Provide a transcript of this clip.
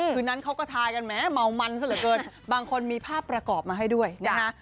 คืนนั้นเขาก็ทายกันแม้เมามันซะเหลือเกินบางคนมีภาพประกอบมาให้ด้วยนะคะ